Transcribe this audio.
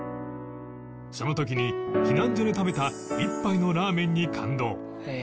その時に避難所で食べた一杯のラーメンに感動